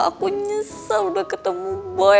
aku nyesel udah ketemu boy